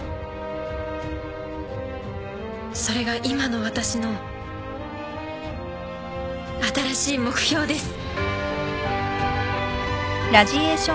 それが今の私の新しい目標です。